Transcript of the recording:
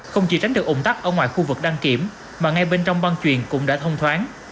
không chỉ tránh được ủng tắc ở ngoài khu vực đăng kiểm mà ngay bên trong băng truyền cũng đã thông thoáng